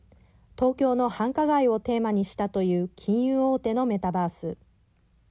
東京の繁華街をテーマにしたという金融大手のメタバース。